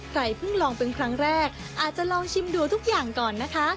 ใครเพิ่งลองเป็นครั้งแรกอาจจะลองชิมดูทุกอย่างก่อนนะคะ